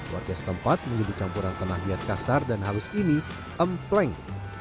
warga setempat menyebut campuran tanah liat kasar dan halus ini empleng